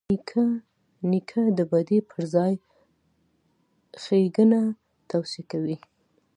نیکه د بدۍ پر ځای ښېګڼه توصیه کوي.